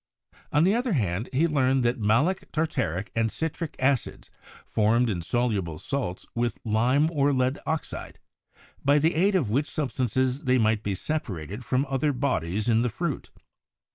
On the other hand, he learned that malic, tartaric and citric acids formed insoluble salts with lime or lead oxide, by the aid of which substances they might be separated from other bodies in the fruit.